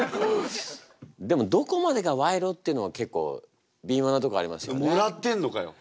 でもどこまでが賄賂っていうのは結構びみょうなところありますよね。